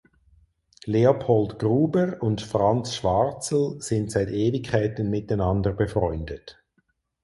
Leopold Gruber und Franz Schwarzl sind seit Ewigkeiten miteinander befreundet.